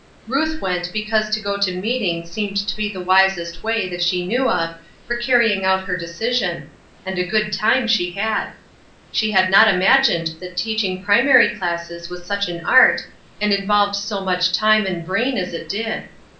Ruth went because to go to meeting seemed to be the wisest way that she knew of for carrying out her decision, and a good time she had. She had not imagined that teaching primary classes was such an art, and involved so much time and brain as it did.